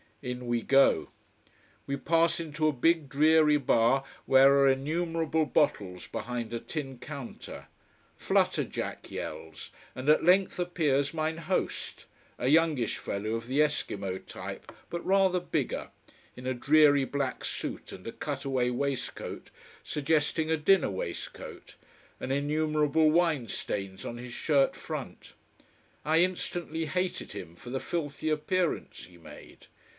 In we go. We pass into a big, dreary bar, where are innumerable bottles behind a tin counter. Flutter jack yells: and at length appears mine host, a youngish fellow of the Esquimo type, but rather bigger, in a dreary black suit and a cutaway waistcoat suggesting a dinner waistcoat, and innumerable wine stains on his shirt front. I instantly hated him for the filthy appearance he made.